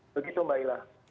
begitu mbak hilah